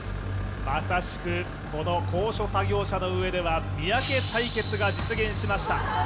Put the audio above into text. まさしく、この高所作業車の上では三宅対決が実現しました。